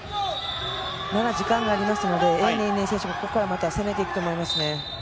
まだ時間がありますので、エイ・ネイネイ選手、またここから攻めていくと思いますね。